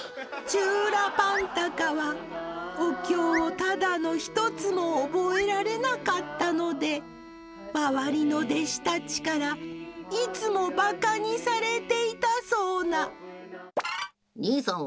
チューラパンタカはお経をただの一つも覚えられなかったので周りの弟子たちからいつもばかにされていたそうないたのえなりくん。